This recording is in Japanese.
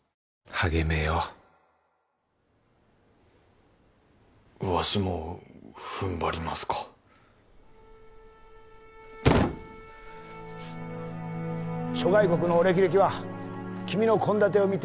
励めよわしもふんばりますか・諸外国のお歴々は君の献立を見て